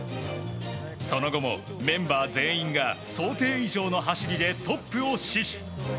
その後もメンバー全員が想定以上の走りでトップを死守。